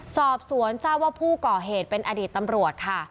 สอบสวนทราบว่าผู้ก่อเหตุเป็นอดีตตำรวจค่ะ